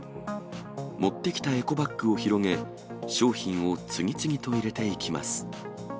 持ってきたエコバッグを広げ、商品を次々と入れていきます。